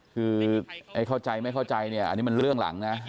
คือเข้าใจไม่เข้าใจเนี่ยอันนี้มันเรื่องหลังนะ